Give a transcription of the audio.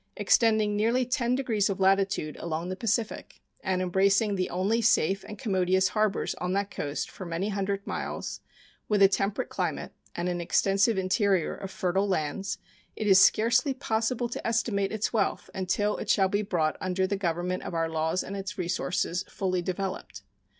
Extending nearly ten degrees of latitude along the Pacific, and embracing the only safe and commodious harbors on that coast for many hundred miles, with a temperate climate and an extensive interior of fertile lands, it is scarcely possible to estimate its wealth until it shall be brought under the government of our laws and its resources fully developed.